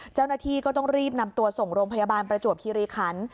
เจ้าหน้าที่ก็ต้องรีบนำตัวส่งโรงพยาบาลประจวบคิริขัน